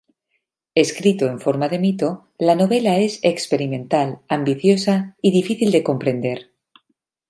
Escrito en forma de mito, la novela es experimental, ambiciosa y difícil de comprender.